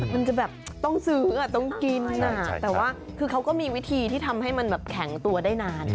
มันจะแบบต้องซื้อต้องกินแต่ว่าคือเขาก็มีวิธีที่ทำให้มันแบบแข็งตัวได้นาน